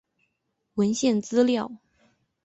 文献资料